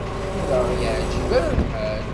Ur aɣ-yeɛjib ara lḥal.